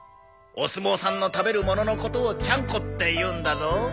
お相撲さんの食べるもののことをちゃんこって言うんだぞ。